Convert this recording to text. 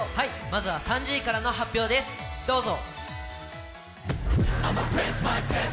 まずは３０位からの発表です、どうぞ！